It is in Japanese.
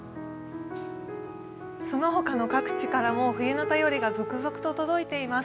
そのほかの各地からも冬の便りが続々と届いています。